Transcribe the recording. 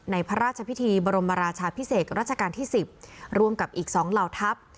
พระราชพิธีบรมราชาพิเศษรัชกาลที่๑๐รวมกับอีก๒เหล่าทัพ